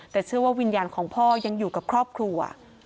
แต่เชื่อว่าวิญญาณของพ่อยังอยู่กับครอบครัว